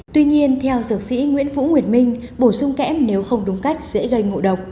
tuy nhiên theo sở sĩ nguyễn phũ nguyệt minh bổ sung kém nếu không đúng cách sẽ gây ngộ độc